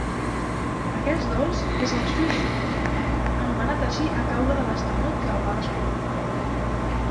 Aquest dolç és el xuixo, anomenat així a causa de l'esternut que el va descobrir.